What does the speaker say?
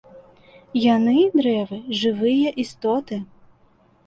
Яны, дрэвы, —жывыя істоты.